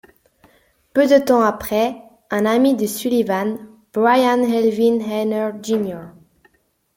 Peu de temps après, un ami de Sullivan, Brian Elwin Haner Jr.